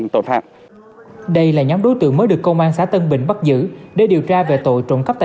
thì nguy cơ lây lan dịch là rất lớn